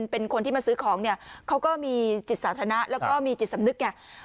เป็นคนที่มาซื้อของเนี่ยเขาก็มีจิตสาธารณะแล้วก็มีจิตสำนึกไง